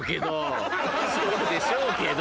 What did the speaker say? そうでしょうけど。